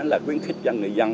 là quyến khích cho người dân